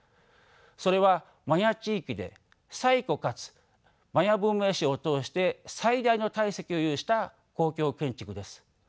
それはマヤ地域で最古かつマヤ文明史を通して最大の体積を有した公共建築です。